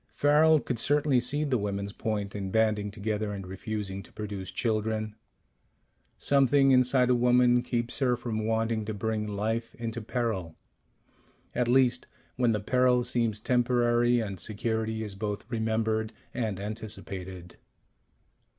Farrel could certainly see the women's point in banding together and refusing to produce children. Something inside a woman keeps her from wanting to bring life into peril at least, when the peril seems temporary, and security is both remembered and anticipated.